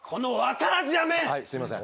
はいすいません。